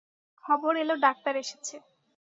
খবর এল ডাক্তার এসেছে।